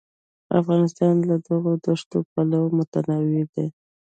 افغانستان له دغو دښتو پلوه متنوع دی.